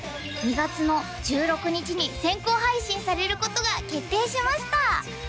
２月の１６日に先行配信されることが決定しました！